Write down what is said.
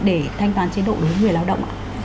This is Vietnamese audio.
để thanh toán chế độ đối với người lao động ạ